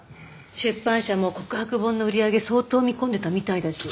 出版社も告白本の売り上げ相当見込んでたみたいだし。